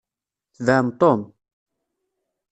Tebɛem Tom!